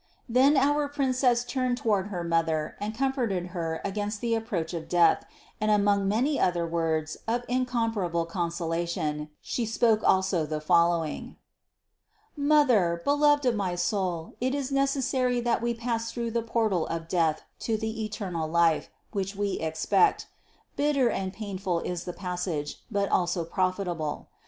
720. Then our Princess turned toward her mother and comforted her against the approach of death; and among many other words of incomparable consolation, She spoke also the following: "Mother, beloved of my soul, it is necessary that we pass through the portal of death to the eternal life, which we expect; bitter and painful is the passage, but also profitable.